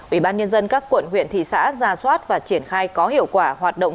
ubnd các quận huyện thị xã ra soát và triển khai có hiệu quả hoạt động